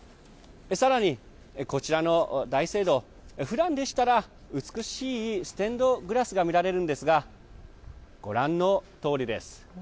さらに、こちらの大聖堂ふだんでしたら美しいステンドグラスが見られるんですがご覧のとおりです。